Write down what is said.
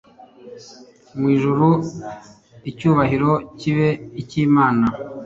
Mu ijuru icyubahiro kibe icy'Imana,